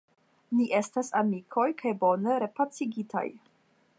Ni estas amikoj kaj bone repacigitaj.